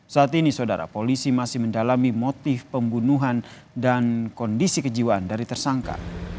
saat ini saudara polisi masih mendalami motif pembunuhan dan kondisi kejiwaan dari tersangka